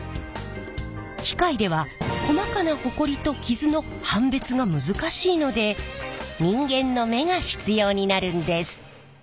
機械では細かなホコリとキズの判別が難しいので人間の目が必要になるんです。